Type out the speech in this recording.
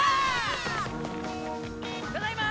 ただいま！